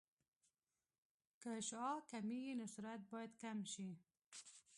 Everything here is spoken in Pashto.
که شعاع کمېږي نو سرعت باید کم شي